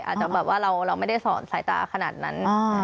อาจจะแบบว่าเราไม่ได้สอนสายตาขนาดนั้น